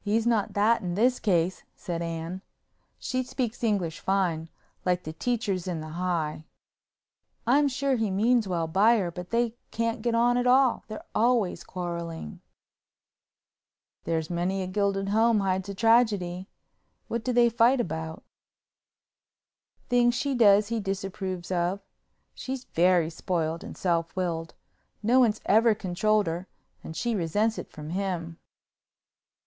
"He's not that in this case," said Anne—she speaks English fine, like the teachers in the High—"I'm sure he means well by her, but they can't get on at all, they're always quarreling." "There's many a gilded home hides a tragedy. What do they fight about?" "Things she does he disapproves of. She's very spoiled and self willed. No one's ever controlled her and she resents it from him."